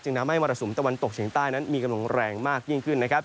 ทำให้มรสุมตะวันตกเฉียงใต้นั้นมีกำลังแรงมากยิ่งขึ้นนะครับ